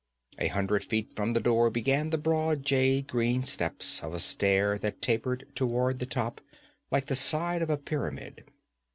A hundred feet from the door began the broad jade green steps of a stair that tapered toward the top like the side of a pyramid.